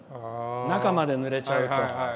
中までぬれちゃうと。